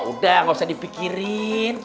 udah gak usah dipikirin